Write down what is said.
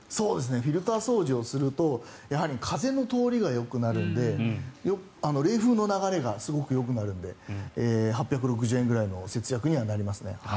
フィルター掃除をするとやはり風の通りがよくなるので冷風の流れがすごくよくなるので８６０円ぐらいの節約にはなります。